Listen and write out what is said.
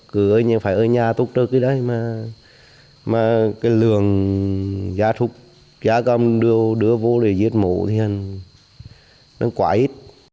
cứ phải ở nhà tốt đôi cái đấy mà cái lường gia súc gia cầm đưa vô để giết mổ thì nó quả ít